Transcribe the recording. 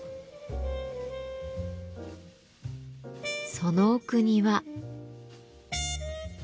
その奥には。